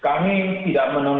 kami tidak menentang